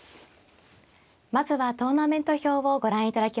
まずはトーナメント表をご覧いただきましょう。